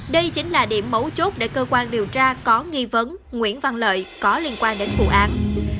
đây chính là điểm mấu chốt để cơ quan điều tra có nghi vấn nguyễn văn lợi có liên quan đến vụ án